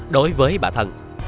đối với bà thân